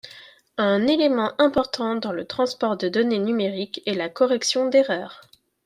Un élément important dans le transport de données numérique est la correction d'erreur.